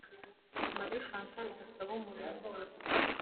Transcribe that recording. Marie Chantal Dusabumuremyi